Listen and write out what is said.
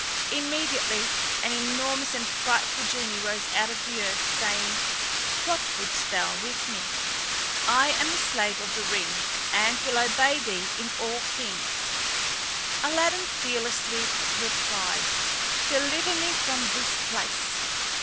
Immediately an enormous and frightful genie rose out of the earth, saying: "What wouldst thou with me? I am the Slave of the Ring, and will obey thee in all things." Aladdin fearlessly replied, "Deliver me from this place!"